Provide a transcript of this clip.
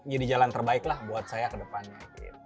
jadi jalan terbaik lah buat saya kedepannya